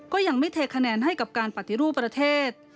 ก็ยังไม่เทคะแนนให้กับการปฏิรูปประเทศ